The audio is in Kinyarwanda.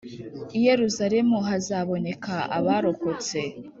i Yeruzalemu hazaboneke abarokotse,